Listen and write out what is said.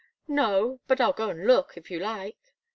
"No but I'll go and look, if you like."